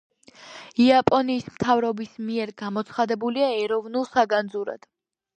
იაპონიის მთავრობის მიერ გამოცხადებულია ეროვნულ საგანძურად.